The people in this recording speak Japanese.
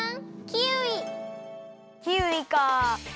キウイかあ。